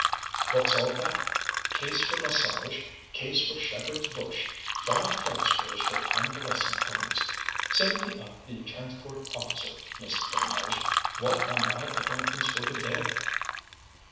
"What's all that? case for massage, case for Shepherd's Bush, five transfers for convalescent homes.... Send me up the Transport Officer. Miss Delmege, what are my appointments for today?"